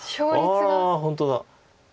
ああ本当だ。